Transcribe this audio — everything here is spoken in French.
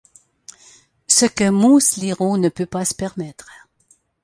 Ce que Moosleerau ne peut pas se permettre.